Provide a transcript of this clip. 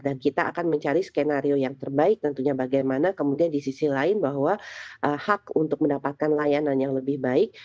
dan kita akan mencari skenario yang terbaik tentunya bagaimana kemudian di sisi lain bahwa hak untuk mendapatkan layanan yang lebih baik